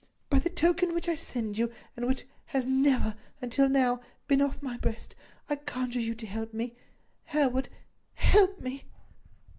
"By the token which I send you, and which has never, until now, been off my breast, I conjure you to help me. "Hereward—help me!"